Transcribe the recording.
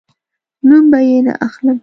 نوم به یې نه اخلم